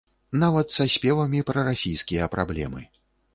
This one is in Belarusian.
Нават са спевамі пра расійскія праблемы.